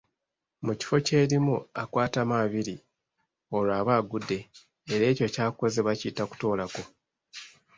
Mu kifo ky’erimu akwatamu abiri, olwo aba agudde era ekyo ky’akoze bakiyita kutoolako.